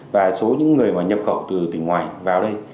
và số những người mà nhập khẩu từ tỉnh ngoài vào đây